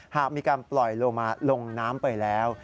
หากมีการปล่อยลงน้ำไปแล้ว